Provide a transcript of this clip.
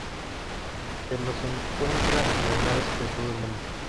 Se los encuentra en los mares de todo el mundo.